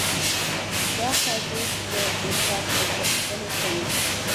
دا قاضي د انصاف غوښتنه کوي.